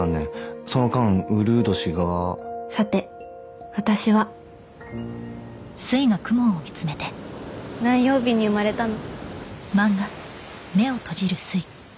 その間うるう年がさて私は何曜日に生まれたの？